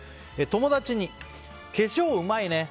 友達に、化粧うまいね。